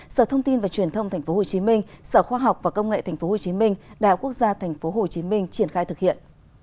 sở thông tin và truyền thông tp hcm sở khoa học và công nghệ tp hcm đại học quốc gia tp hcm triển khai thực hiện